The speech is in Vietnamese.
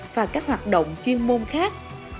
và các hoạt động chuyên môn khác